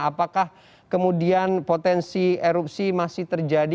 apakah kemudian potensi erupsi masih terjadi